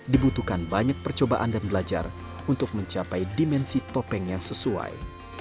dibutuhkan banyak percobaan dan belajar untuk mencapai dimensi topeng yang sesuai